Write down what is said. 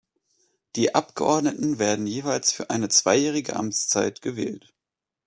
Die Abgeordneten werden jeweils für eine zweijährige Amtszeit gewählt.